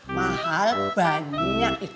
mahal banyak itu